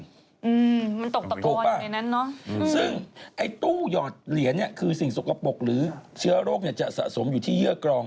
มันตกตะโทนในนั้นเนอะถูกปะซึ่งไอ้ตู้หยอดเหลียนคือสิ่งสกปรกหรือเชื้อโรคจะสะสมอยู่ที่เยื่อกรอง